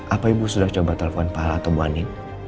apa ibu sudah coba telepon pak al atau bu anin